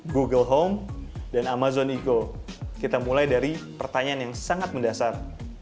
google home dan amazon ego kita mulai dari pertanyaan yang sangat mendasar